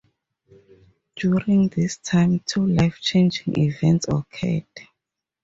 During this time two life-changing events occurred.